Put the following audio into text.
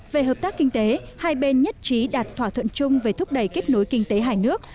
về hợp tác kinh tế hai bên nhất trí đạt thỏa thuận chung về thúc đẩy kết nối kinh tế hai nước